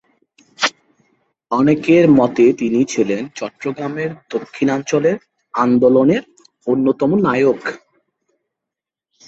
অনেকের মতে তিনি ছিলেন চট্টগ্রামের দক্ষিণাঞ্চলের আন্দোলনের অন্যতম নায়ক।